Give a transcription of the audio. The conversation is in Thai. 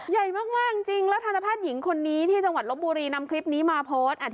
ใหญ่มากจริงแล้วทันตแพทย์หญิงคนนี้ที่จังหวัดลบบุรีนำคลิปนี้มาโพสต์